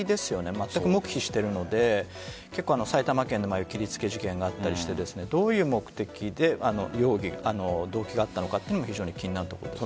まったく黙秘しているので埼玉県で切りつけ事件があったりしてどういう目的で動機があったのかも非常に気になるところです。